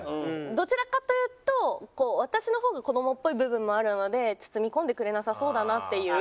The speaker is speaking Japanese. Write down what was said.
どちらかというとこう私の方が子どもっぽい部分もあるので包み込んでくれなさそうだなっていう。